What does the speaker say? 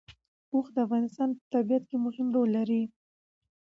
اوښ د افغانستان په طبیعت کې مهم رول لري.